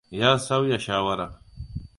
Ya sauya shawara.